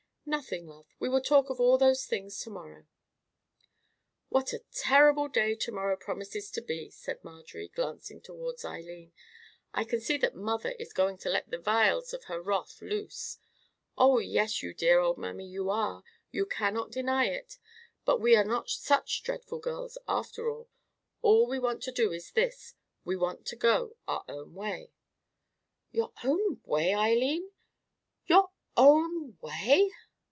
"Nothing, love; we will talk of all those things to morrow." "What a terrible day to morrow promises to be," said Marjorie, glancing towards Eileen. "I can see that mother is going to let the vials of her wrath loose. Oh yes, you dear old mammy, you are—you cannot deny it. But we are not such dreadful girls after all. All we want to do is this: we want to go our own way." "Your own way, Eileen—your own way?"